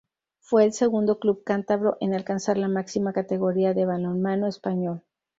Fue el segundo club cántabro en alcanzar la máxima categoría del balonmano español.